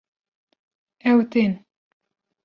Ew tên